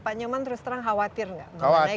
pak nyoman terus terang khawatir nggak mengenai